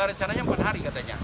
rencananya empat hari katanya